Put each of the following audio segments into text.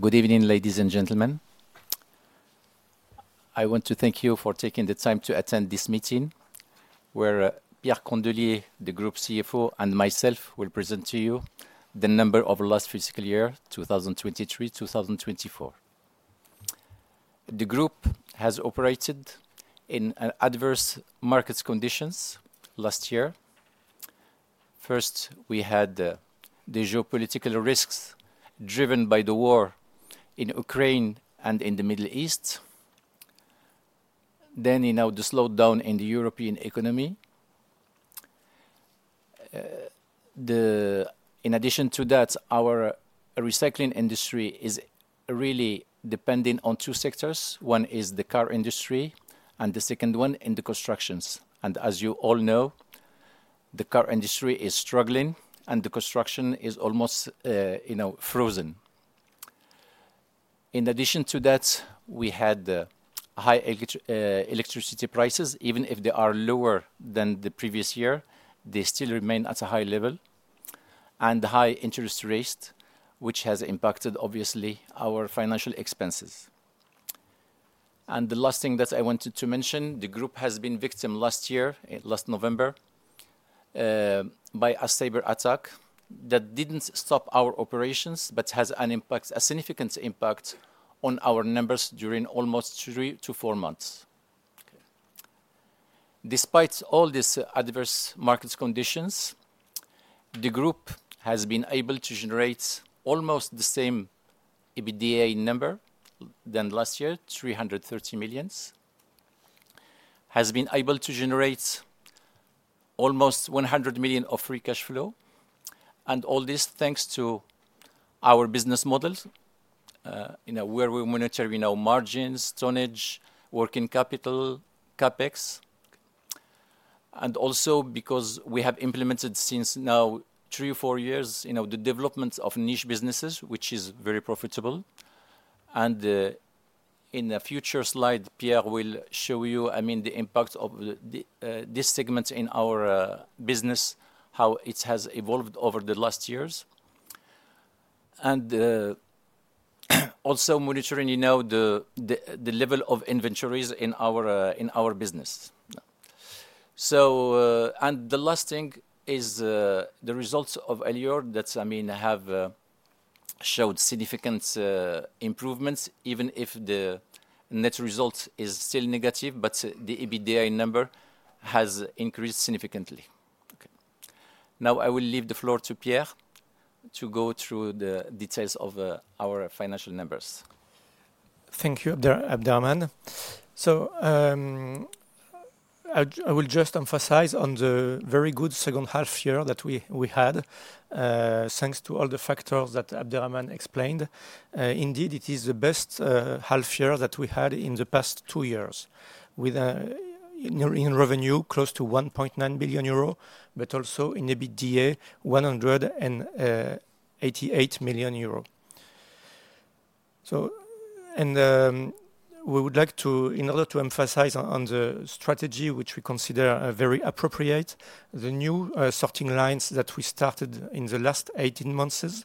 Good evening, ladies and gentlemen. I want to thank you for taking the time to attend this meeting where Pierre Candelier, the Group CFO, and myself will present to you the number of last fiscal year, 2023-2024. The Group has operated in adverse market conditions last year. First, we had the geopolitical risks driven by the war in Ukraine and in the Middle East. Then we now have the slowdown in the European economy. In addition to that, our recycling industry is really dependent on two sectors: one is the car industry, and the second one is in the constructions, and as you all know, the car industry is struggling, and the construction is almost frozen. In addition to that, we had high electricity prices. Even if they are lower than the previous year, they still remain at a high level. The high interest rates, which have impacted, obviously, our financial expenses. The last thing that I wanted to mention: the Group has been victimized last year, last November, by a cyber attack that didn't stop our operations but has had a significant impact on our numbers during almost three to four months. Despite all these adverse market conditions, the Group has been able to generate almost the same EBITDA number than last year: 330 million EUR. It has been able to generate almost 100 million EUR of free cash flow. All this is thanks to our business model, where we monitor margins, tonnage, working capital, CapEx. Also because we have implemented, since now three or four years, the development of niche businesses, which is very profitable. And in the future slide, Pierre will show you the impact of this segment in our business, how it has evolved over the last years. And also monitoring the level of inventories in our business. And the last thing is the results of Elior that have shown significant improvements, even if the net result is still negative, but the EBITDA number has increased significantly. Now I will leave the floor to Pierre to go through the details of our financial numbers. Thank you, Abderrahmane. So I will just emphasize on the very good second half year that we had, thanks to all the factors that Abderrahmane explained. Indeed, it is the best half year that we had in the past two years, with revenue close to €1.9 billion, but also in EBITDA €188 million. And we would like to, in order to emphasize on the strategy, which we consider very appropriate, the new sorting lines that we started in the last 18 months,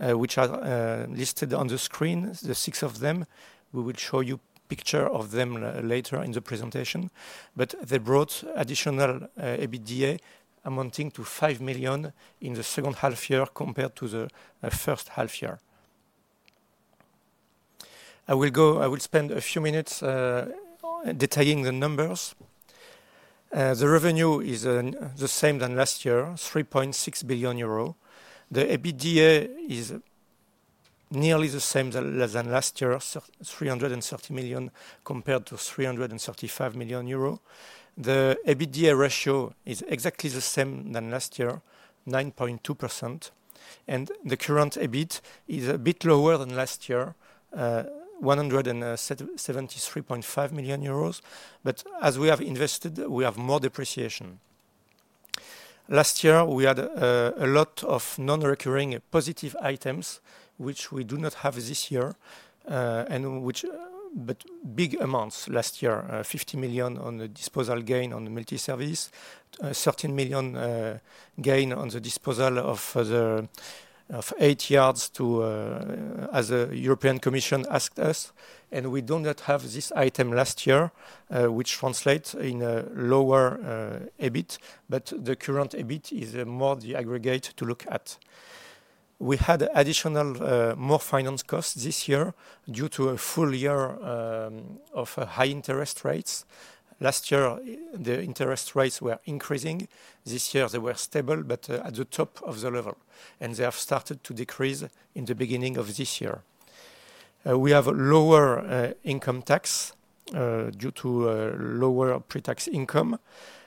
which are listed on the screen, the six of them. We will show you a picture of them later in the presentation. But they brought additional EBITDA amounting to €5 million in the second half year compared to the first half year. I will spend a few minutes detailing the numbers. The revenue is the same as last year: €3.6 billion. The EBITDA is nearly the same as last year: 330 million compared to 335 million euro. The EBITDA ratio is exactly the same as last year: 9.2%, and the current EBIT is a bit lower than last year: 173.5 million euros, but as we have invested, we have more depreciation. Last year, we had a lot of non-recurring positive items, which we do not have this year, but big amounts last year: 50 million on the disposal gain on the Multiservice, 13 million gain on the disposal of eight yards, as the European Commission asked us, and we do not have this item last year, which translates in a lower EBIT, but the current EBIT is more the aggregate to look at. We had additional more finance costs this year due to a full year of high interest rates. Last year, the interest rates were increasing. This year, they were stable, but at the top of the level, and they have started to decrease in the beginning of this year. We have a lower income tax due to lower pre-tax income.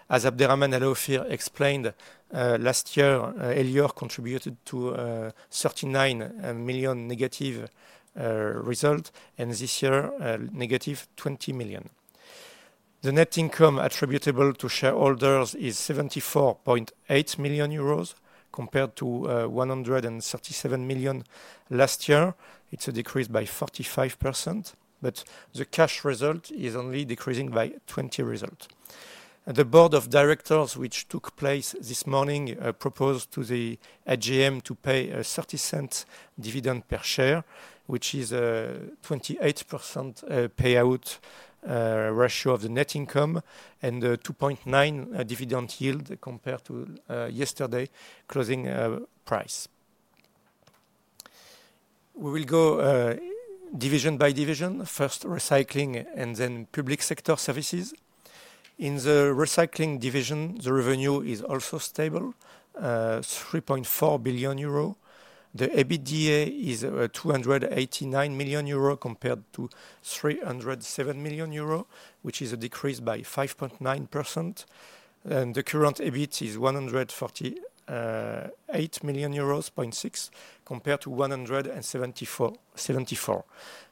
As Abderrahmane El Aoufir explained, last year, Elior Group contributed to 39 million negative result, and this year, negative 20 million. The net income attributable to shareholders is 74.8 million euros compared to 137 million last year. It's a decrease by 45%. But the cash result is only decreasing by 20%. The board of directors, which took place this morning, proposed to the AGM to pay a 0.30 dividend per share, which is a 28% payout ratio of the net income and a 2.9 dividend yield compared to yesterday's closing price. We will go division by division, first recycling and then public sector services. In the recycling division, the revenue is also stable: 3.4 billion euro. The EBITDA is €289 million compared to €307 million, which is a decrease by 5.9%. And the current EBIT is €148.6 million compared to €174.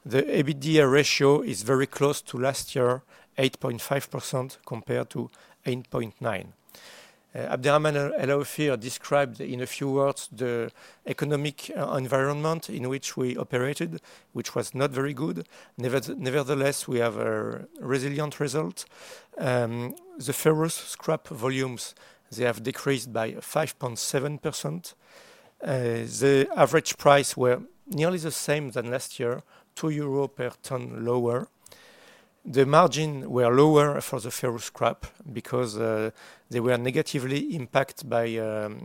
The EBITDA ratio is very close to last year: 8.5% compared to 8.9%. Abderrahmane El Aoufir described in a few words the economic environment in which we operated, which was not very good. Nevertheless, we have a resilient result. The ferrous scrap volumes, they have decreased by 5.7%. The average prices were nearly the same as last year, €2 per tonne lower. The margins were lower for the ferrous scrap because they were negatively impacted by the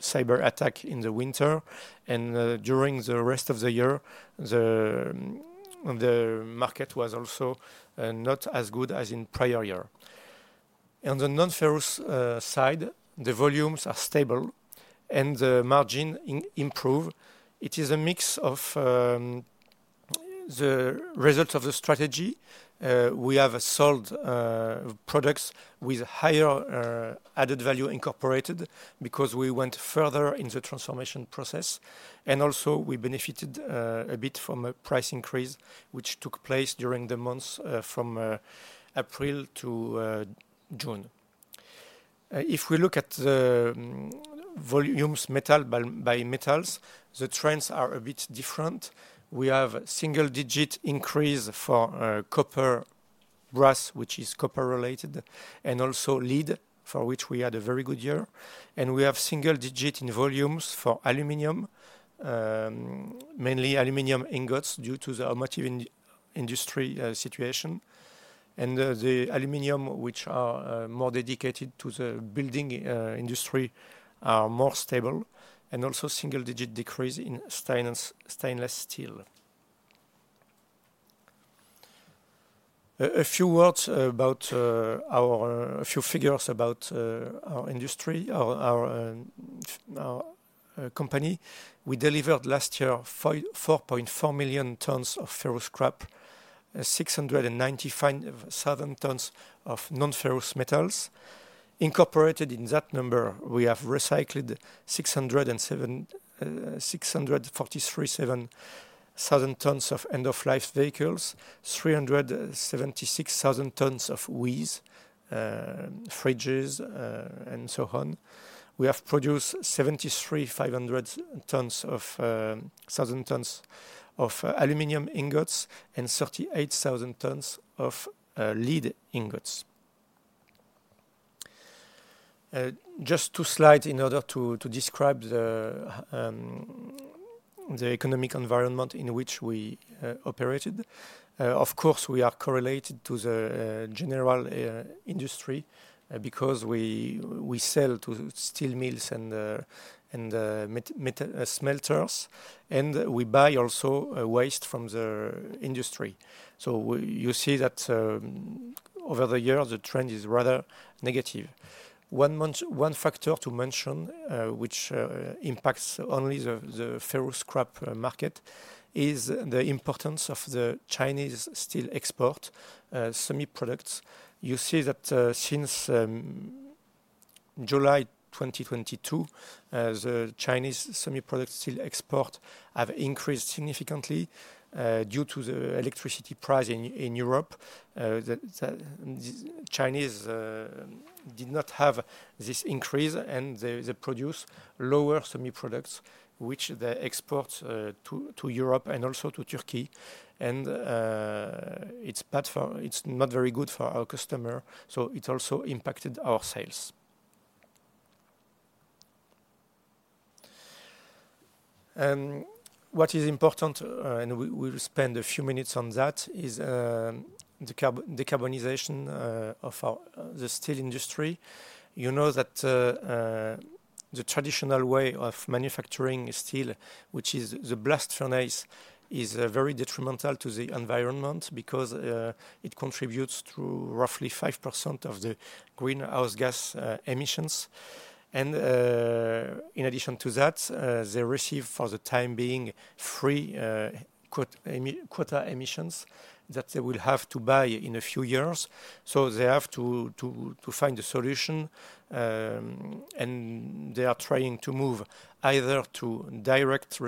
cyber attack in the winter. And during the rest of the year, the market was also not as good as in the prior year. On the non-ferrous side, the volumes are stable and the margins improve. It is a mix of the results of the strategy. We have sold products with higher added value incorporated because we went further in the transformation process, and also we benefited a bit from a price increase, which took place during the months from April to June. If we look at the volumes by metals, the trends are a bit different. We have a single-digit increase for copper, brass, which is copper-related, and also lead, for which we had a very good year, and we have single-digit in volumes for aluminum, mainly aluminum ingots due to the automotive industry situation. And the aluminum, which are more dedicated to the building industry, are more stable, and also a single-digit decrease in stainless steel. A few figures about our industry, our company. We delivered last year 4.4 million tons of ferrous scrap, 697 tons of non-ferrous metals. Incorporated in that number, we have recycled 643,700 tons of end-of-life vehicles, 376,000 tons of WEEE, fridges, and so on. We have produced 73,500 tons of aluminum ingots and 38,000 tons of lead ingots. Just two slides in order to describe the economic environment in which we operated. Of course, we are correlated to the general industry because we sell to steel mills and smelters, and we buy also waste from the industry. So you see that over the years, the trend is rather negative. One factor to mention, which impacts only the ferrous scrap market, is the importance of the Chinese steel export semi-products. You see that since July 2022, the Chinese semi-product steel exports have increased significantly due to the electricity price in Europe. Chinese did not have this increase, and they produce lower semi-products, which they export to Europe and also to Turkey. It's not very good for our customers, so it also impacted our sales. What is important, and we will spend a few minutes on that, is the decarbonization of the steel industry. You know that the traditional way of manufacturing steel, which is the blast furnace, is very detrimental to the environment because it contributes to roughly 5% of the greenhouse gas emissions. In addition to that, they receive, for the time being, free quota emissions that they will have to buy in a few years. So they have to find a solution, and they are trying to move either to direct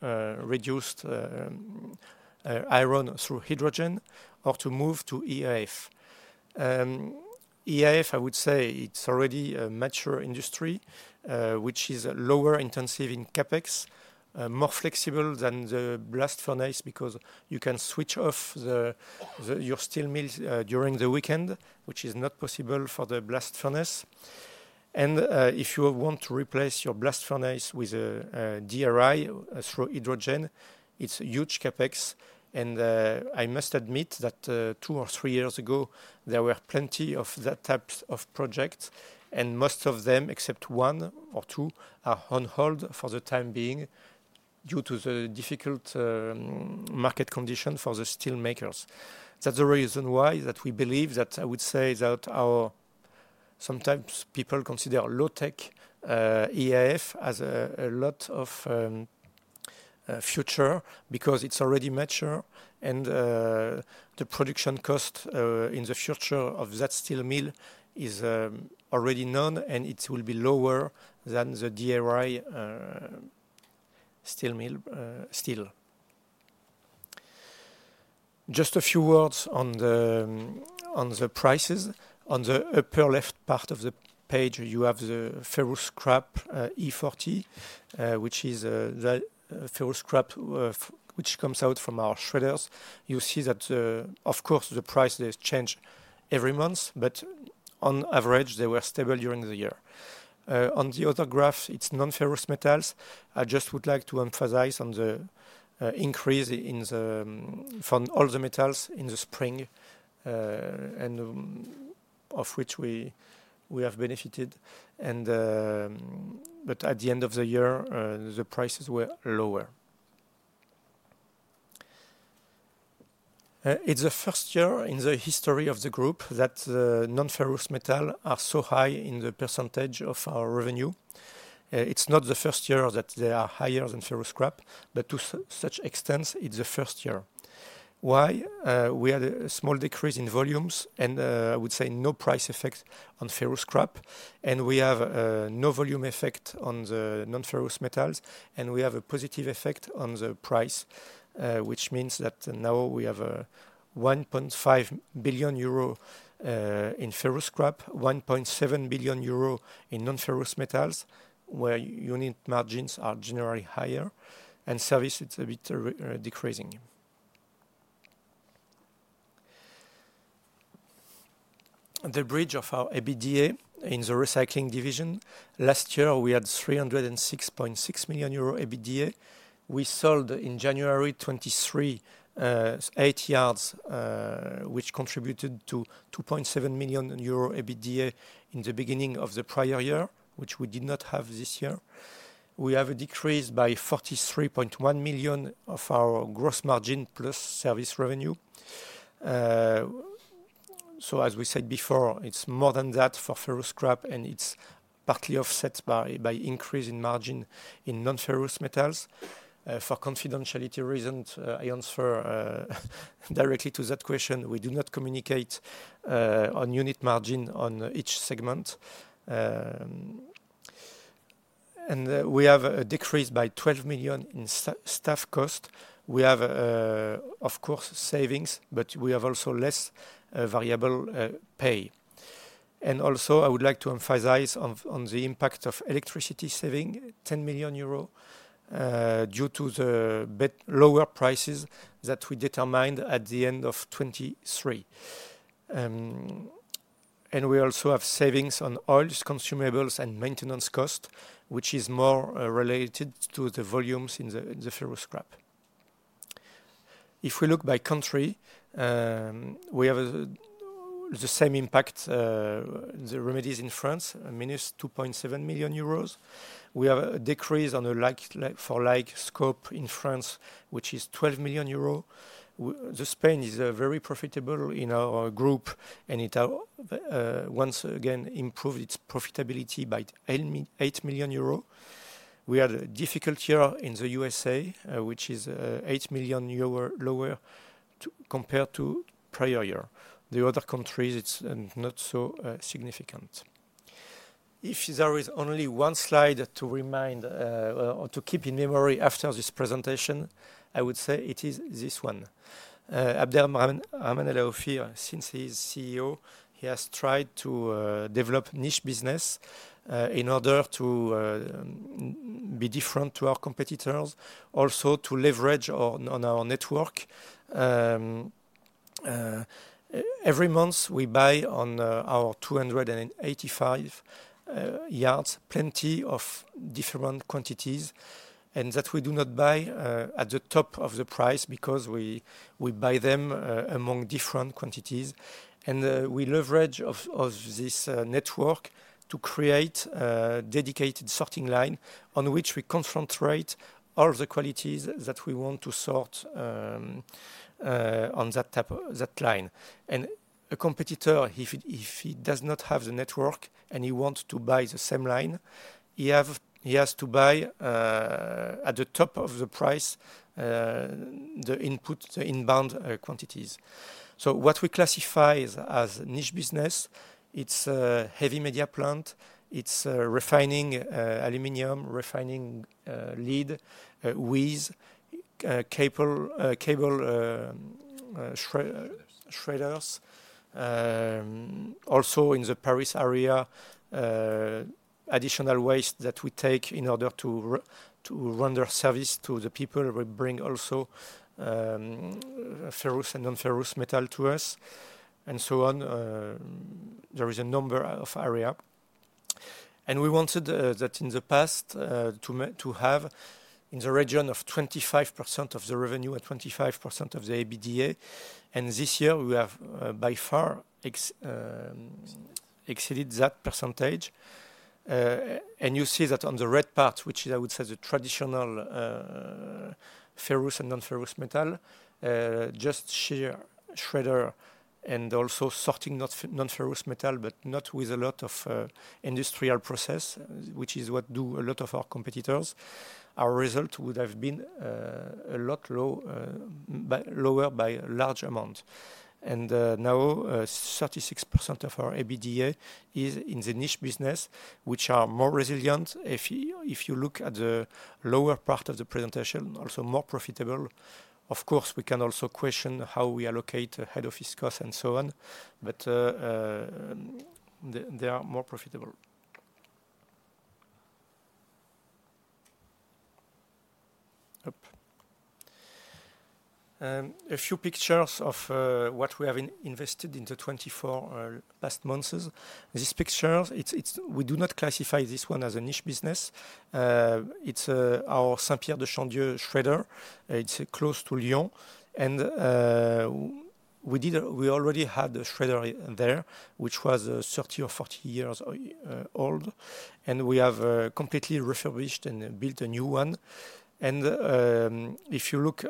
reduced iron through hydrogen or to move to EAF. EAF, I would say, it's already a mature industry, which is lower intensive in CapEx, more flexible than the blast furnace because you can switch off your steel mills during the weekend, which is not possible for the blast furnace. And if you want to replace your blast furnace with a DRI through hydrogen, it's huge CapEx. And I must admit that two or three years ago, there were plenty of that type of projects, and most of them, except one or two, are on hold for the time being due to the difficult market conditions for the steel makers. That's the reason why that we believe that I would say that our sometimes people consider low-tech EAF has a lot of future because it's already mature, and the production cost in the future of that steel mill is already known, and it will be lower than the DRI steel mill. Just a few words on the prices. On the upper left part of the page, you have the ferrous scrap E40, which is the ferrous scrap which comes out from our shredders. You see that, of course, the price has changed every month, but on average, they were stable during the year. On the other graph, it's non-ferrous metals. I just would like to emphasize on the increase in all the metals in the spring, and of which we have benefited. But at the end of the year, the prices were lower. It's the first year in the history of the group that the non-ferrous metals are so high in the percentage of our revenue. It's not the first year that they are higher than ferrous scrap, but to such extent, it's the first year. Why? We had a small decrease in volumes, and I would say no price effect on ferrous scrap. And we have no volume effect on the non-ferrous metals, and we have a positive effect on the price, which means that now we have 1.5 billion euro in ferrous scrap, 1.7 billion euro in non-ferrous metals, where unit margins are generally higher, and service is a bit decreasing. The bridge of our EBITDA in the recycling division. Last year, we had 306.6 million euro EBITDA. We sold in January 2023 eight yards, which contributed to 2.7 million euro EBITDA in the beginning of the prior year, which we did not have this year. We have a decrease by 43.1 million of our gross margin plus service revenue. So, as we said before, it's more than that for ferrous scrap, and it's partly offset by increase in margin in non-ferrous metals. For confidentiality reasons, I answer directly to that question. We do not communicate on unit margin on each segment. And we have a decrease by 12 million in staff cost. We have, of course, savings, but we have also less variable pay. And also, I would like to emphasize on the impact of electricity saving, 10 million euro due to the lower prices that we determined at the end of 2023. We also have savings on all consumables and maintenance cost, which is more related to the volumes in the ferrous scrap. If we look by country, we have the same impact. The revenues in France: minus €2.7 million. We have a decrease for light scope in France, which is €12 million. Spain is very profitable in our group, and it once again improved its profitability by €8 million. We had a difficult year in the USA, which is €8 million lower compared to prior year. The other countries, it's not so significant. If there is only one slide to remind or to keep in memory after this presentation, I would say it is this one. Abderrahmane El Aoufir, since he is CEO, he has tried to develop niche business in order to be different from our competitors, also to leverage on our network. Every month, we buy on our 285 yards plenty of different quantities, and that we do not buy at the top of the price because we buy them among different quantities. And we leverage this network to create a dedicated sorting line on which we concentrate all the qualities that we want to sort on that line. And a competitor, if he does not have the network and he wants to buy the same line, he has to buy at the top of the price the inbound quantities. So what we classify as niche business, it's a heavy media plant. It's refining aluminum, refining lead, WEEE, cable shredders. Also in the Paris area, additional waste that we take in order to render service to the people. We bring also ferrous and non-ferrous metal to us, and so on. There is a number of areas. We wanted that in the past to have in the region of 25% of the revenue and 25% of the EBITDA. This year, we have by far exceeded that percentage. You see that on the red part, which is, I would say, the traditional ferrous and non-ferrous metal, just shear shredder and also sorting non-ferrous metal, but not with a lot of industrial process, which is what a lot of our competitors do. Our result would have been a lot lower by a large amount. Now, 36% of our EBITDA is in the niche business, which are more resilient. If you look at the lower part of the presentation, also more profitable. Of course, we can also question how we allocate head office costs and so on, but they are more profitable. A few pictures of what we have invested in the past 24 months. These pictures, we do not classify this one as a niche business. It's our Saint-Pierre-de-Chandieu shredder. It's close to Lyon. And we already had a shredder there, which was 30 or 40 years old. And we have completely refurbished and built a new one. And if you look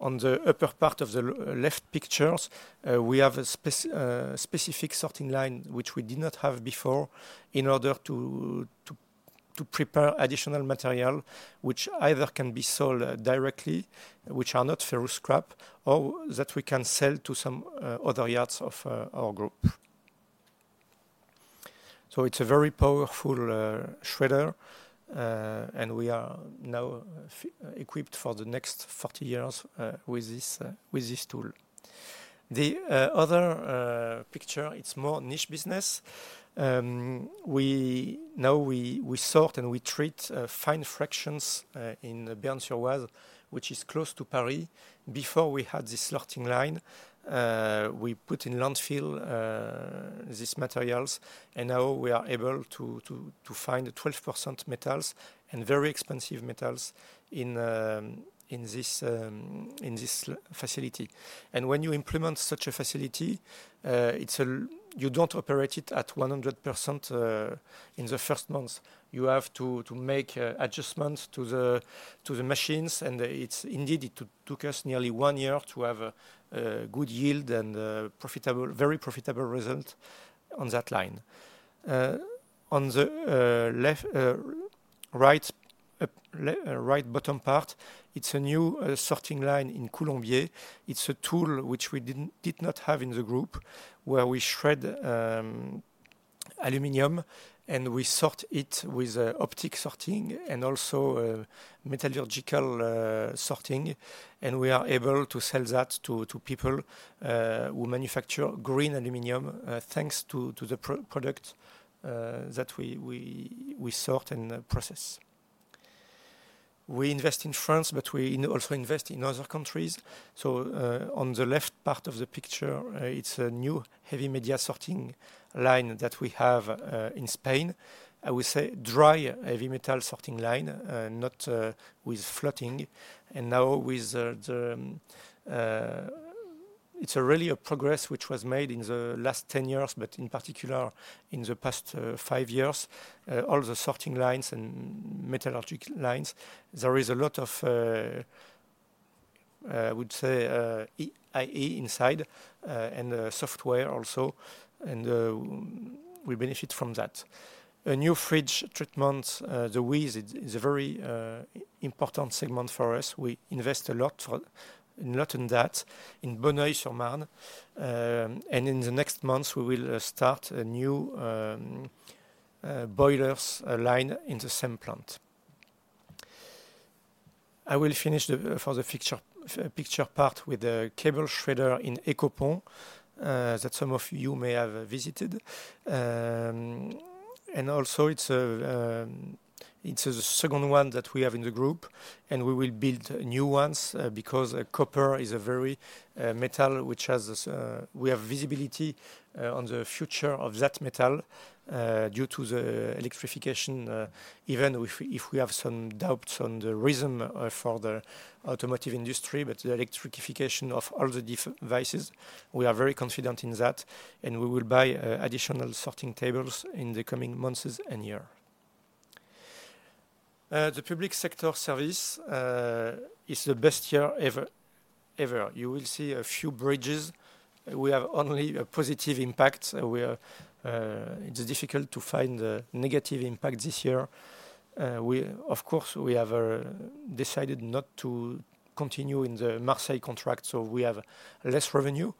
on the upper part of the left pictures, we have a specific sorting line, which we did not have before in order to prepare additional material, which either can be sold directly, which are not ferrous scrap, or that we can sell to some other yards of our group. So it's a very powerful shredder, and we are now equipped for the next 40 years with this tool. The other picture, it's more niche business. Now we sort and we treat fine fractions in Bernes-sur-Oise, which is close to Paris. Before we had this sorting line, we put in landfill these materials, and now we are able to find 12% metals and very expensive metals in this facility. And when you implement such a facility, you don't operate it at 100% in the first month. You have to make adjustments to the machines, and indeed, it took us nearly one year to have a good yield and very profitable result on that line. On the right bottom part, it's a new sorting line in Coulommiers. It's a tool which we did not have in the group, where we shred aluminum and we sort it with optical sorting and also metallurgical sorting. And we are able to sell that to people who manufacture green aluminum thanks to the product that we sort and process. We invest in France, but we also invest in other countries. So on the left part of the picture, it's a new heavy media sorting line that we have in Spain. I would say dry heavy media sorting line, not with floating. And now it's really a progress which was made in the last 10 years, but in particular in the past five years, all the sorting lines and metallurgical lines. There is a lot of, I would say, AI inside and software also, and we benefit from that. A new fridge treatment, the WEEE, is a very important segment for us. We invest a lot in that in Bonneuil-sur-Marne. And in the next months, we will start a new baler line in the same plant. I will finish for the picture part with the cable shredder in Ecopont that some of you may have visited. And also, it's the second one that we have in the group, and we will build new ones because copper is a very metal which has visibility on the future of that metal due to the electrification. Even if we have some doubts on the rhythm for the automotive industry. But the electrification of all the devices, we are very confident in that, and we will buy additional sorting tables in the coming months and years. The public sector service is the best year ever. You will see a few figures. We have only a positive impact. It's difficult to find a negative impact this year. Of course, we have decided not to continue in the Marseille contract, so we have less revenue,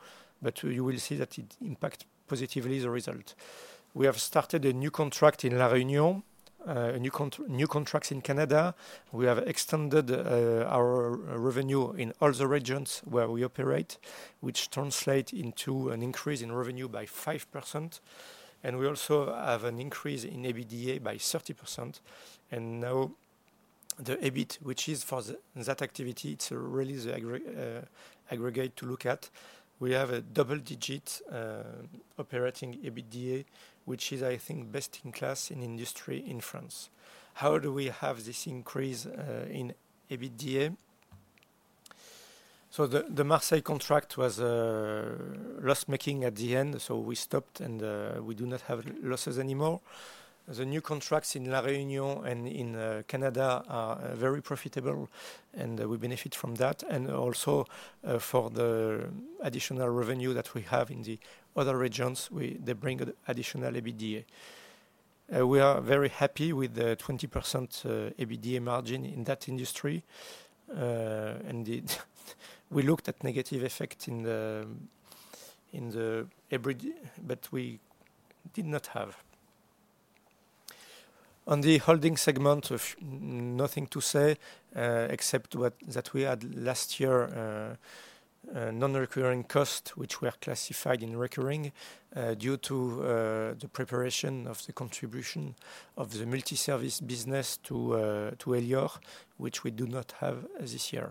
but you will see that it impacts positively the result. We have started a new contract in La Réunion, new contracts in Canada. We have extended our revenue in all the regions where we operate, which translates into an increase in revenue by 5%. And we also have an increase in EBITDA by 30%. And now the EBIT, which is for that activity, it's really the aggregate to look at. We have a double-digit operating EBITDA, which is, I think, best in class in industry in France. How do we have this increase in EBITDA? So the Marseille contract was loss-making at the end, so we stopped and we do not have losses anymore. The new contracts in La Réunion and in Canada are very profitable, and we benefit from that. And also, for the additional revenue that we have in the other regions, they bring additional EBITDA. We are very happy with the 20% EBITDA margin in that industry. And we looked at negative effects in the EBITDA, but we did not have. On the holding segment, nothing to say except that we had last year non-recurring cost, which were classified in recurring due to the preparation of the contribution of the Multiservice business to Elior, which we do not have this year.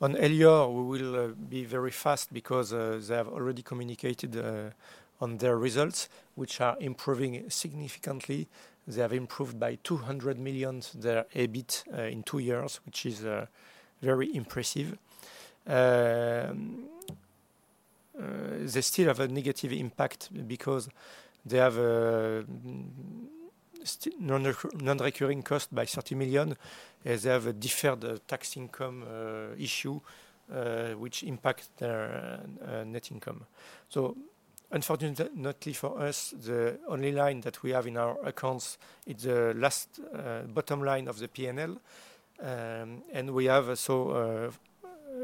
On Elior, we will be very fast because they have already communicated on their results, which are improving significantly. They have improved by 200 million their EBIT in two years, which is very impressive. They still have a negative impact because they have non-recurring cost by 30 million, as they have a deferred tax income issue, which impacts their net income. So, unfortunately for us, the only line that we have in our accounts is the last bottom line of the P&L. And we have also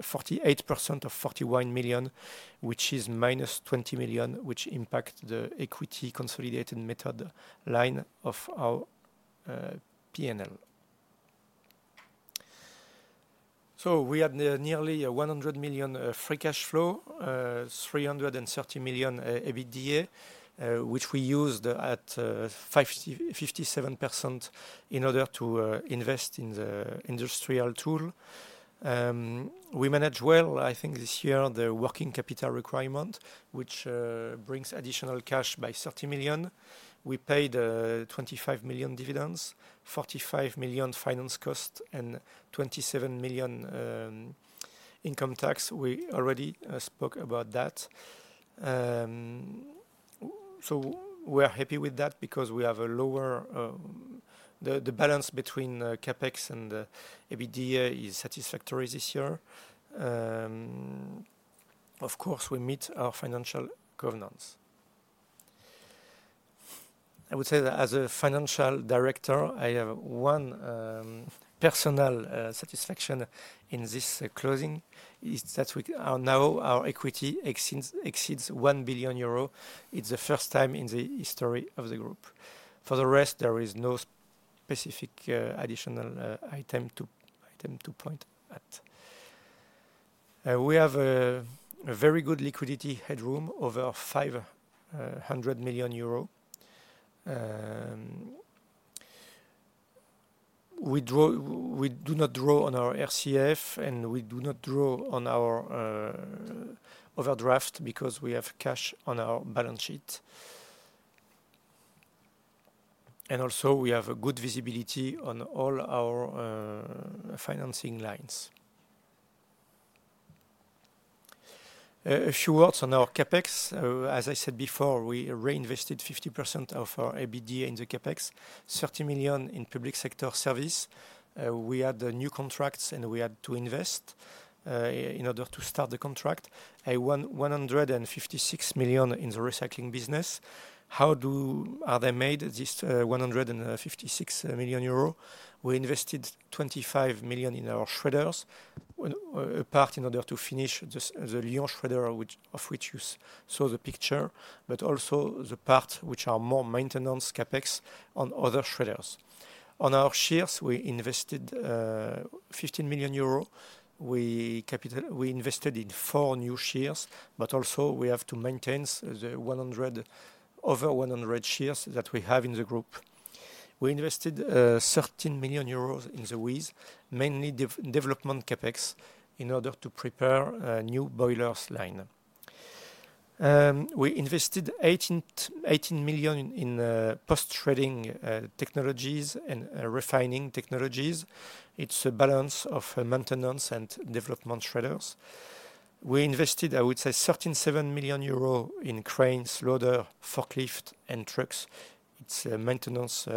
48% of 41 million, which is -20 million, which impacts the equity consolidated method line of our P&L. So we had nearly 100 million free cash flow, 330 million EBITDA, which we used at 57% in order to invest in the industrial tool. We manage well, I think, this year the working capital requirement, which brings additional cash by 30 million. We paid 25 million dividends, 45 million finance cost, and 27 million income tax. We already spoke about that. So we're happy with that because we have a lower the balance between CapEx and EBITDA is satisfactory this year. Of course, we meet our financial covenants. I would say that as a financial director, I have one personal satisfaction in this closing, is that now our equity exceeds 1 billion euro. It's the first time in the history of the group. For the rest, there is no specific additional item to point at. We have a very good liquidity headroom over 500 million euro. We do not draw on our RCF, and we do not draw on our overdraft because we have cash on our balance sheet. And also, we have good visibility on all our financing lines. A few words on our CapEx. As I said before, we reinvested 50% of our EBITDA in the CapEx, 30 million in public sector service. We had new contracts, and we had to invest in order to start the contract. 156 million in the recycling business. How are they made, this 156 million euro? We invested 25 million in our shredders, a part in order to finish the Lyon shredder, of which you saw the picture, but also the part which are more maintenance CapEx on other shredders. On our shears, we invested 15 million euro. We invested in four new shears, but also we have to maintain the over 100 shears that we have in the group. We invested 13 million euros in the WEEE, mainly development CapEx, in order to prepare a new baler line. We invested 18 million in post-shredding technologies and refining technologies. It's a balance of maintenance and development shredders. We invested, I would say, 37 million euros in cranes, loader, forklift, and trucks. It's maintenance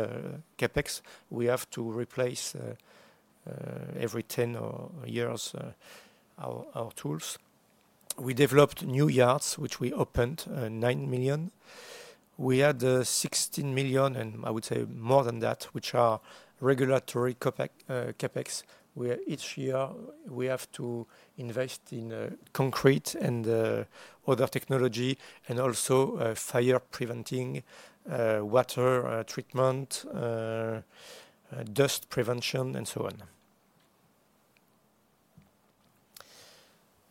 CapEx. We have to replace every 10 years our tools. We developed new yards, which we opened 9 million. We had 16 million, and I would say more than that, which are regulatory CapEx, where each year we have to invest in concrete and other technology, and also fire preventing, water treatment, dust prevention, and so on.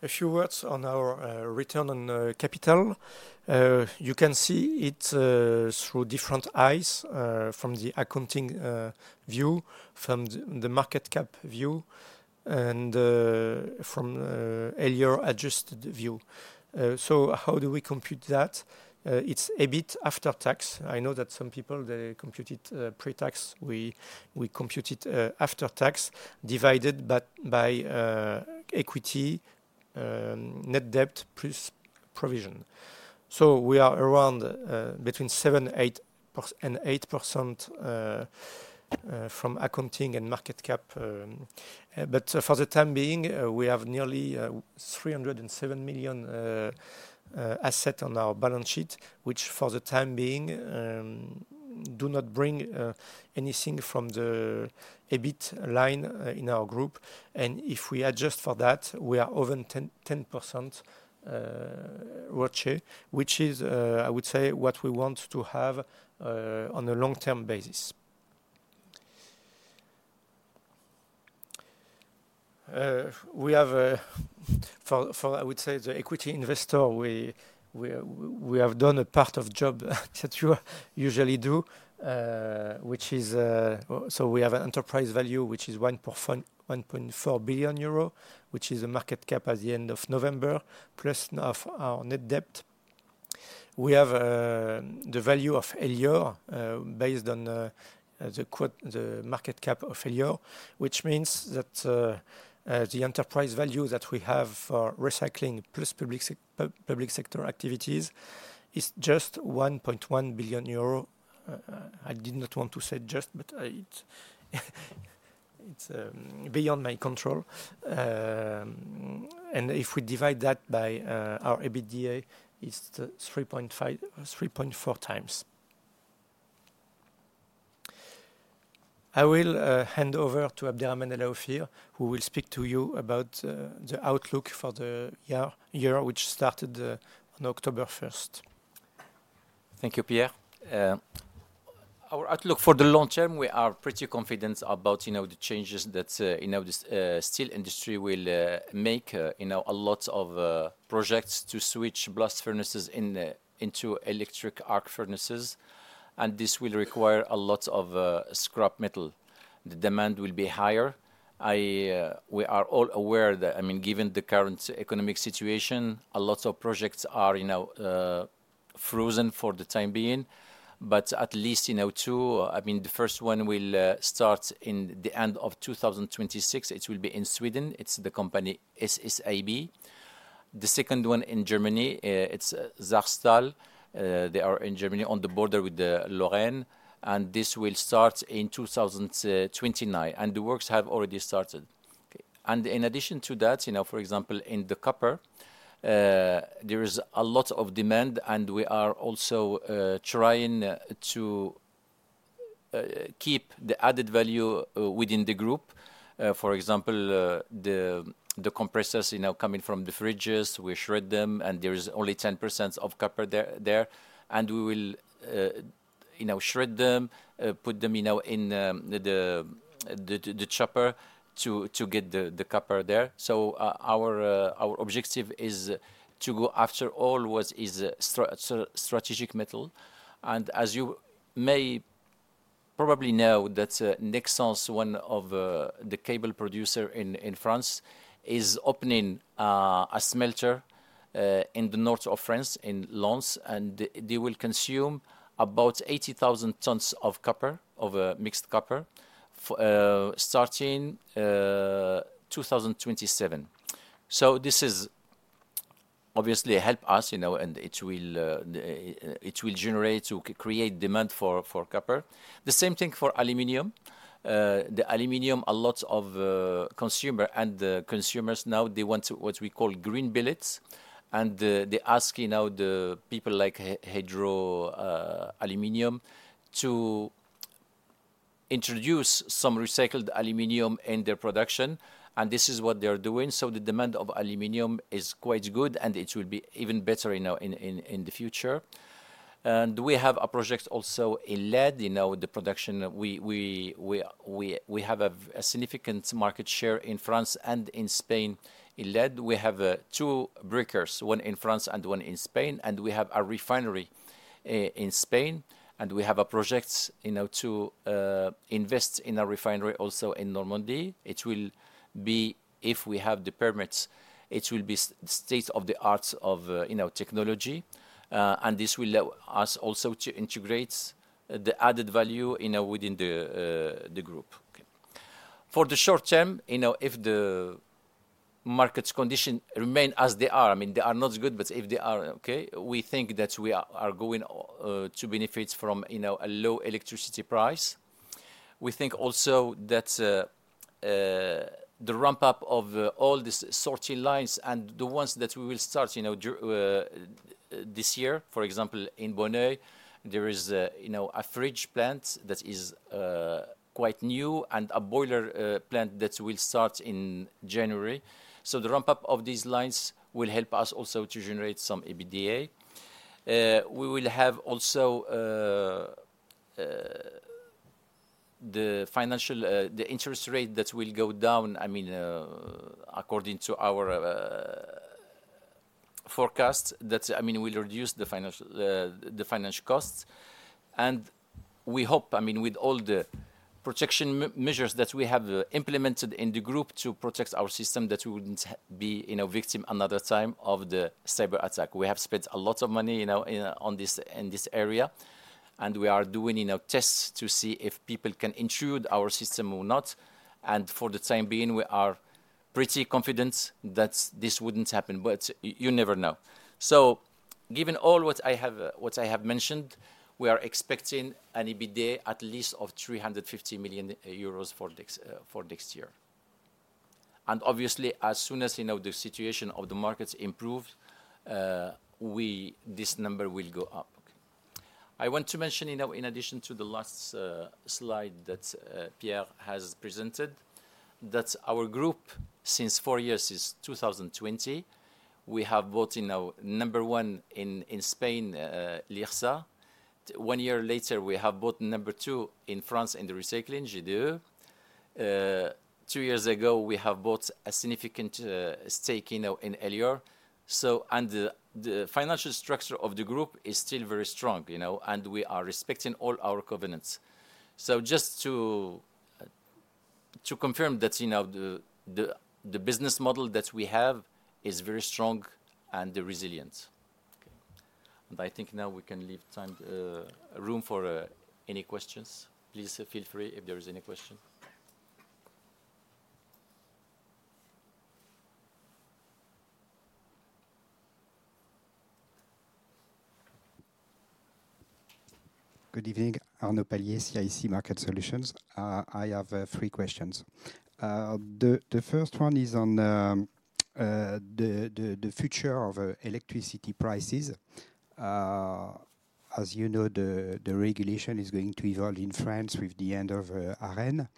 A few words on our return on capital. You can see it through different eyes, from the accounting view, from the market cap view, and from Elior adjusted view. So how do we compute that? It's EBIT after tax. I know that some people, they compute it pre-tax. We compute it after tax, divided by equity, net debt plus provision. So we are around between 7%-8% from accounting and market cap. But for the time being, we have nearly 307 million assets on our balance sheet, which for the time being do not bring anything from the EBIT line in our group. And if we adjust for that, we are over 10% ROCE, which is, I would say, what we want to have on a long-term basis. We have, for, I would say, the equity investor, we have done a part of job that you usually do, which is, so we have an enterprise value, which is 1.4 billion euro, which is a market cap at the end of November, plus our net debt. We have the value of Elior based on the market cap of Elior, which means that the enterprise value that we have for recycling plus public sector activities is just 1.1 billion euro. I did not want to say just, but it's beyond my control. And if we divide that by our EBITDA, it's 3.4 times. I will hand over to Abderrahmane El Aoufir, who will speak to you about the outlook for the year, which started on October 1st. Thank you, Pierre. Our outlook for the long term, we are pretty confident about the changes that the steel industry will make. A lot of projects to switch blast furnaces into electric arc furnaces. And this will require a lot of scrap metal. The demand will be higher. We are all aware that, I mean, given the current economic situation, a lot of projects are frozen for the time being, but at least in Q2, I mean, the first one will start in the end of 2026. It will be in Sweden. It's the company SSAB. The second one in Germany, it's Saarstahl. They are in Germany on the border with Lorraine, and this will start in 2029. And the works have already started. And in addition to that, for example, in the copper, there is a lot of demand, and we are also trying to keep the added value within the group. For example, the compressors coming from the fridges, we shred them, and there is only 10% of copper there. And we will shred them, put them in the chopper to get the copper there. So our objective is to go after all what is strategic metal. And as you may probably know, that Nexans, one of the cable producers in France, is opening a smelter in the north of France in Lens. And they will consume about 80,000 tons of mixed copper starting 2027. So this is obviously help us, and it will generate to create demand for copper. The same thing for aluminum. The aluminum, a lot of consumers now, they want what we call green billets. And they ask the people like Hydro Aluminum to introduce some recycled aluminum in their production. And this is what they are doing. So the demand of aluminum is quite good, and it will be even better in the future. And we have a project also in lead, the production. We have a significant market share in France and in Spain in lead. We have two breakers, one in France and one in Spain. And we have a refinery in Spain. And we have a project to invest in a refinery also in Normandy. It will be, if we have the permits, it will be state-of-the-art of technology. And this will allow us also to integrate the added value within the group. For the short term, if the market conditions remain as they are, I mean, they are not good, but if they are, okay, we think that we are going to benefit from a low electricity price. We think also that the ramp-up of all the sorting lines and the ones that we will start this year, for example, in Bonneuil, there is a fridge plant that is quite new and a boiler plant that will start in January. The ramp-up of these lines will help us also to generate some EBITDA. We will have also the interest rate that will go down, I mean, according to our forecast, that, I mean, will reduce the financial costs. We hope, I mean, with all the protection measures that we have implemented in the group to protect our system that we wouldn't be a victim another time of the cyber attack. We have spent a lot of money in this area. We are doing tests to see if people can intrude our system or not. For the time being, we are pretty confident that this wouldn't happen. You never know. Given all what I have mentioned, we are expecting an EBITDA at least of 350 million euros for next year. And obviously, as soon as the situation of the markets improves, this number will go up. I want to mention, in addition to the last slide that Pierre has presented, that our group, since four years, is 2020. We have bought number one in Spain, Lyrsa. One year later, we have bought number two in France in the recycling, GDE. Two years ago, we have bought a significant stake in Elior. So the financial structure of the group is still very strong. And we are respecting all our covenants. So just to confirm that the business model that we have is very strong and resilient. And I think now we can leave time room for any questions. Please feel free if there is any question. Good evening, Arnaud Palliez, CIC Market Solutions. I have three questions. The first one is on the future of electricity prices. As you know, the regulation is going to evolve in France with the end of ARENH.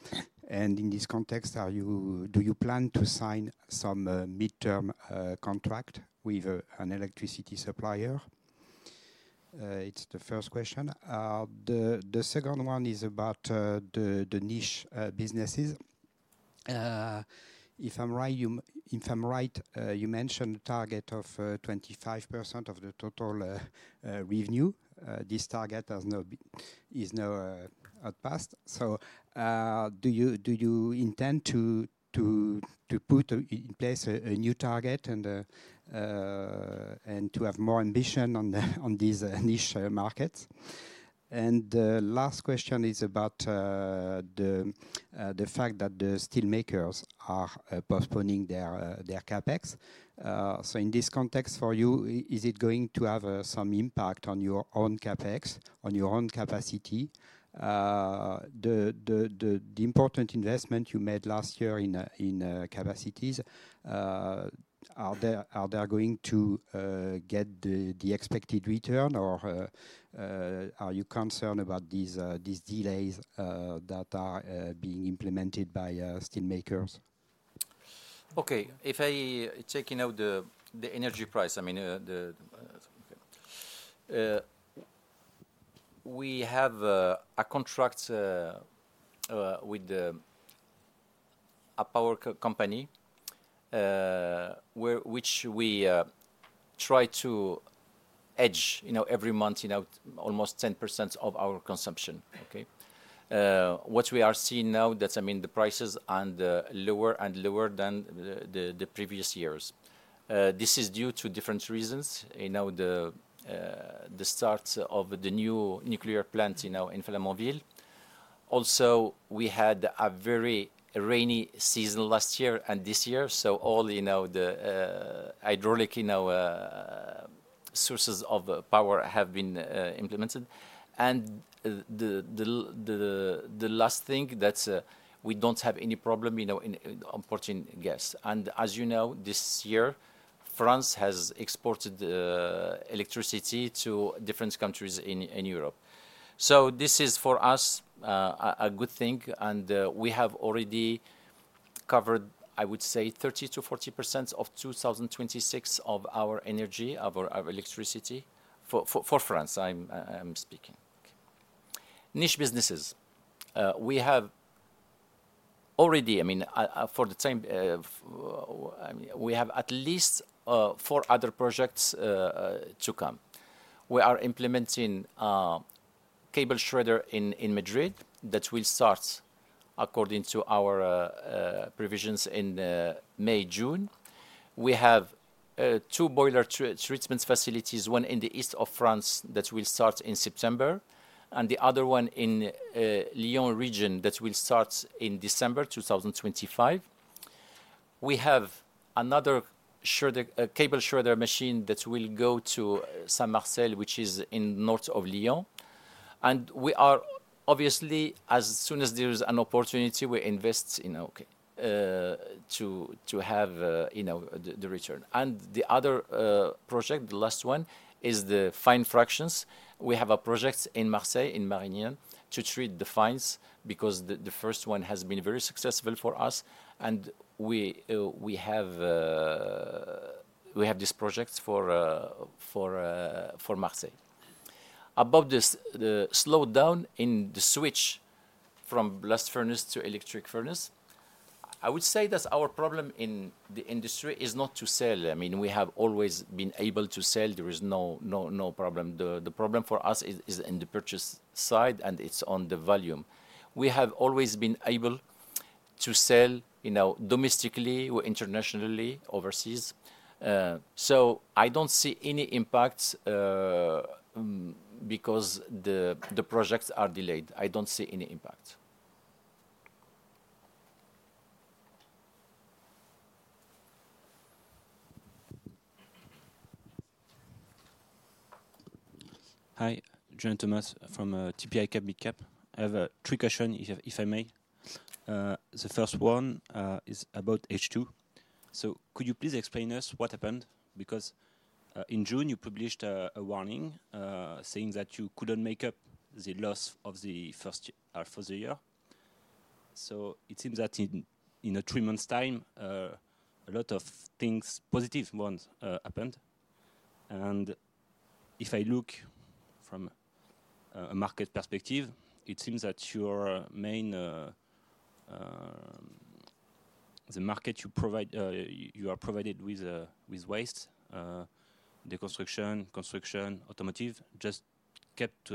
And in this context, do you plan to sign some mid-term contract with an electricity supplier? It's the first question. The second one is about the niche businesses. If I'm right, you mentioned a target of 25% of the total revenue. This target is now outpaced. So do you intend to put in place a new target and to have more ambition on these niche markets? And the last question is about the fact that the steel makers are postponing their CapEx. So in this context, for you, is it going to have some impact on your own CapEx, on your own capacity? The important investment you made last year in capacities, are they going to get the expected return, or are you concerned about these delays that are being implemented by steel makers? Okay. If I'm checking out the energy price, I mean, we have a contract with a power company, which we try to hedge every month almost 10% of our consumption. What we are seeing now, that's, I mean, the prices are lower and lower than the previous years. This is due to different reasons: the start of the new nuclear plant in Flamanville. Also, we had a very rainy season last year and this year. So all the hydraulic sources of power have been implemented. And the last thing is that we don't have any problem importing gas. And as you know, this year, France has exported electricity to different countries in Europe. So this is, for us, a good thing. And we have already covered, I would say, 30%-40% of 2026 of our energy, of our electricity for France, I'm speaking. Niche businesses. We have already, I mean, for the time, we have at least four other projects to come. We are implementing cable shredder in Madrid that will start according to our provisions in May, June. We have two vehicle treatment facilities, one in the east of France that will start in September, and the other one in Lyon region that will start in December 2025. We have another cable shredder machine that will go to Saint-Marcel, which is in north of Lyon, and we are, obviously, as soon as there is an opportunity, we invest to have the return, and the other project, the last one, is the fine fractions. We have a project in Marseille, in Marignane, to treat the fines because the first one has been very successful for us, and we have this project for Marseille. About the slowdown in the switch from blast furnace to electric furnace, I would say that our problem in the industry is not to sell. I mean, we have always been able to sell. There is no problem. The problem for us is in the purchase side, and it's on the volume. We have always been able to sell domestically or internationally overseas. So I don't see any impact because the projects are delayed. I don't see any impact. Hi, John Thomas from TP ICAP Midcap. I have three questions, if I may. The first one is about H2. So could you please explain to us what happened? Because in June, you published a warning saying that you couldn't make up the loss of the first half of the year. So it seems that in three months' time, a lot of things, positive ones, happened. If I look from a market perspective, it seems that your main market, you are provided with waste, the construction, automotive just kept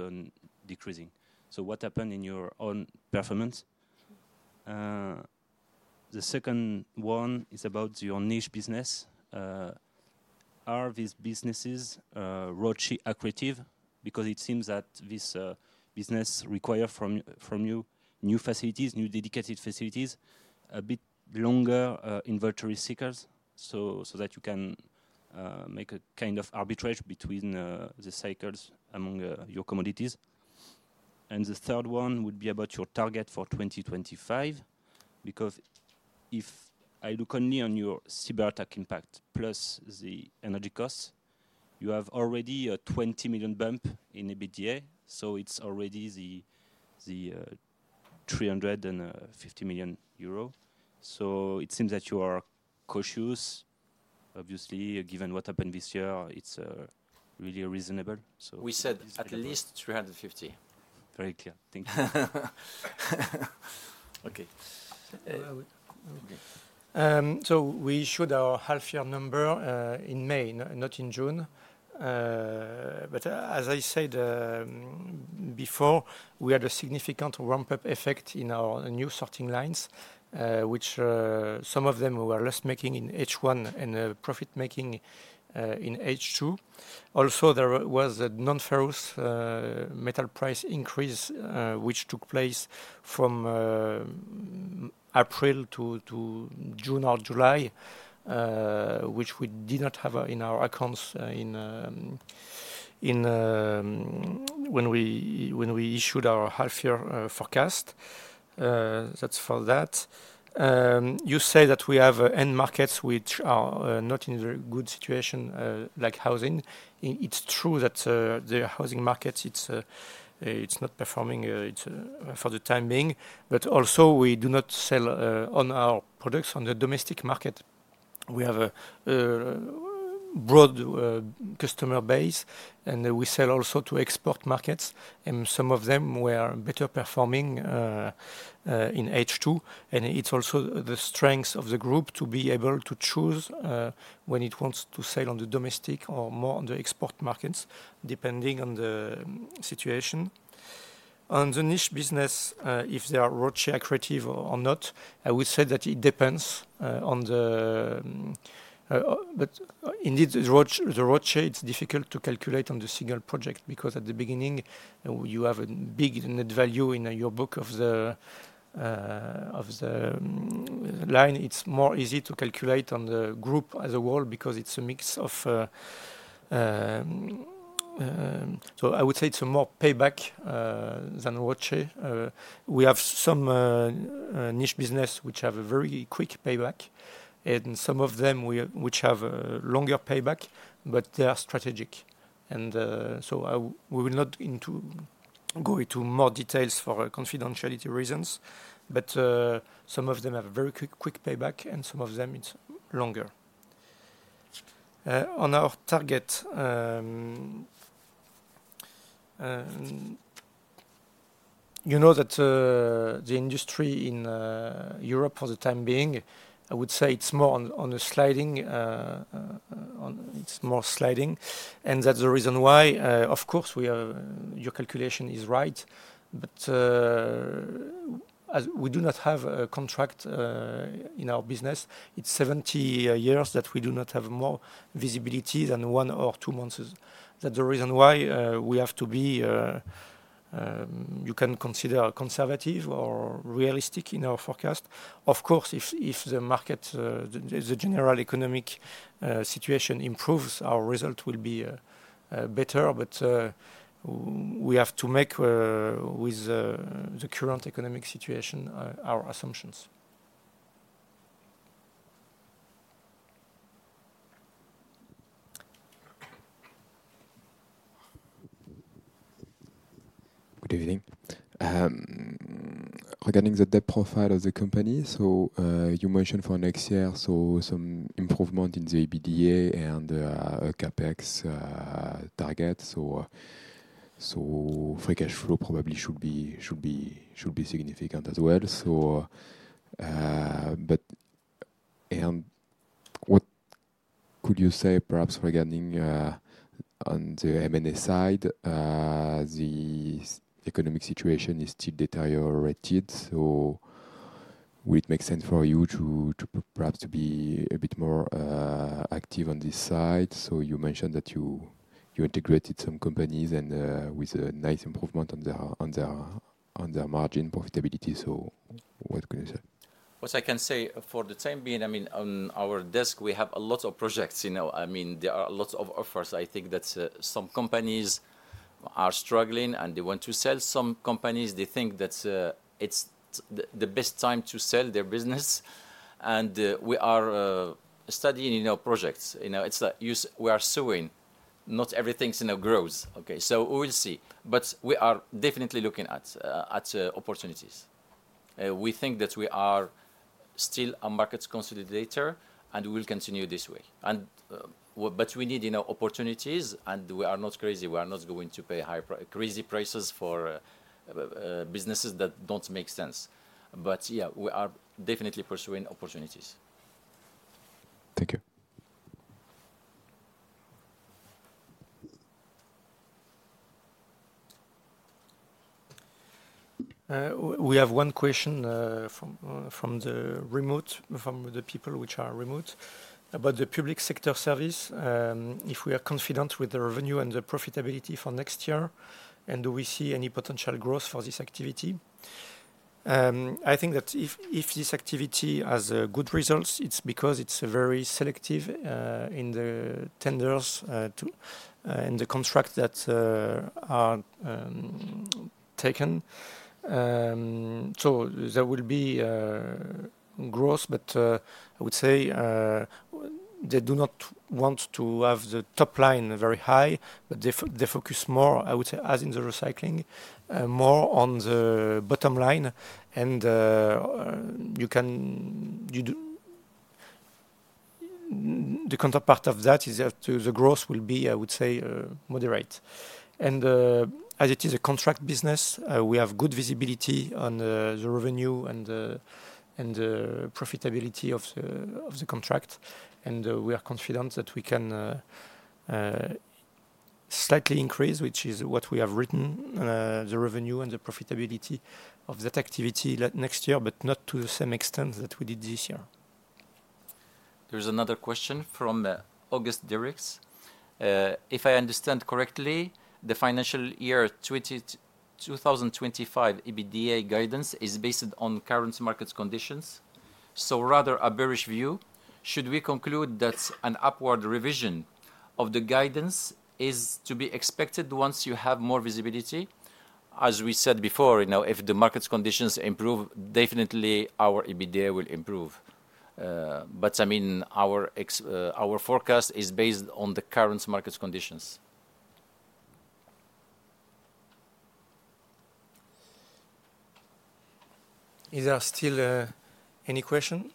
decreasing. So what happened in your own performance? The second one is about your niche business. Are these businesses really accretive? Because it seems that this business requires from you new facilities, new dedicated facilities, a bit longer inventory cycles so that you can make a kind of arbitrage between the cycles among your commodities. The third one would be about your target for 2025. Because if I look only on your cyber attack impact plus the energy costs, you have already a 20 million bump in EBITDA. So it's already the 350 million euro. So it seems that you are cautious, obviously, given what happened this year. It's really reasonable. We said at least 350. Very clear. Thank you. Okay. We showed our half-year number in May, not in June. But as I said before, we had a significant ramp-up effect in our new sorting lines, which some of them were loss-making in H1 and profit-making in H2. Also, there was a non-ferrous metal price increase, which took place from April to June or July, which we did not have in our accounts when we issued our half-year forecast. That's for that. You say that we have end markets which are not in a very good situation, like housing. It's true that the housing market; it's not performing for the time being. But also, we do not sell all our products on the domestic market. We have a broad customer base, and we sell also to export markets. And some of them were better performing in H2. And it's also the strength of the group to be able to choose when it wants to sell on the domestic or more on the export markets, depending on the situation. On the niche business, if they are ROI accretive or not, I would say that it depends, but indeed, the ROI is difficult to calculate on the single project because at the beginning, you have a big net value in your book of the line. It's more easy to calculate on the group as a whole because it's a mix of, so I would say it's a more payback than ROI. We have some niche business which have a very quick payback, and some of them which have a longer payback, but they are strategic. And so we will not go into more details for confidentiality reasons. But some of them have a very quick payback, and some of them it's longer. On our target, you know that the industry in Europe for the time being, I would say it's more on a sliding. It's more sliding. And that's the reason why, of course, your calculation is right. But we do not have a contract in our business. It's 70 years that we do not have more visibility than one or two months. That's the reason why we have to be you can consider conservative or realistic in our forecast. Of course, if the market, the general economic situation improves, our result will be better. But we have to make with the current economic situation our assumptions. Good evening. Regarding the debt profile of the company, so you mentioned for next year, so some improvement in the EBITDA and CapEx target. So free cash flow probably should be significant as well. But what could you say, perhaps regarding on the M&A side? The economic situation is still deteriorated. Would it make sense for you to perhaps be a bit more active on this side? You mentioned that you integrated some companies and with a nice improvement on their margin profitability. What can you say? What I can say for the time being, I mean, on our desk, we have a lot of projects. I mean, there are a lot of offers. I think that some companies are struggling, and they want to sell. Some companies, they think that it's the best time to sell their business. We are studying projects. It's like we are sowing. Not everything grows. Okay. We'll see. We are definitely looking at opportunities. We think that we are still a market consolidator, and we will continue this way. But we need opportunities, and we are not crazy. We are not going to pay crazy prices for businesses that don't make sense. But yeah, we are definitely pursuing opportunities. Thank you. We have one question from the remote, from the people which are remote, about the public sector service. If we are confident with the revenue and the profitability for next year, and do we see any potential growth for this activity? I think that if this activity has good results, it's because it's very selective in the tenders and the contracts that are taken. So there will be growth. But I would say they do not want to have the top line very high, but they focus more, I would say, as in the recycling, more on the bottom line. The counterpart of that is that the growth will be, I would say, moderate. And as it is a contract business, we have good visibility on the revenue and the profitability of the contract. And we are confident that we can slightly increase, which is what we have written, the revenue and the profitability of that activity next year, but not to the same extent that we did this year. There's another question from Auguste Deryckx. If I understand correctly, the financial year 2025 EBITDA guidance is based on current market conditions. So rather a bearish view, should we conclude that an upward revision of the guidance is to be expected once you have more visibility? As we said before, if the market conditions improve, definitely our EBITDA will improve. But I mean, our forecast is based on the current market conditions. Is there still any question?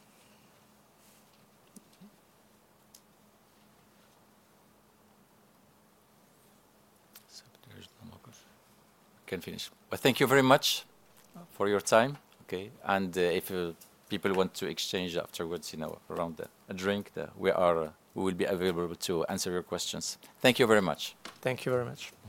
I can finish. Thank you very much for your time. Okay. And if people want to exchange afterwards around a drink, we will be available to answer your questions. Thank you very much. Thank you very much.